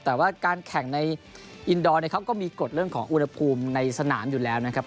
แต่ว่าการแข่งในอินดอร์เนี่ยเขาก็มีกฎเรื่องของอุณหภูมิในสนามอยู่แล้วนะครับ